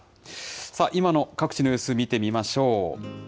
さあ、今の各地の様子、見てみましょう。